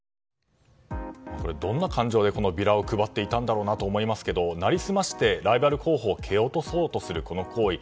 どんな感情でこのビラを配っていたんだろうと思いますけど成り済ましてライバル候補を蹴落とそうとするこの行為。